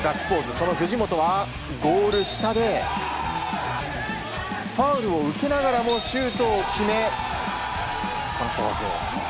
その藤本はゴール下で、ファウルを受けながらもシュートを決めこのポーズ。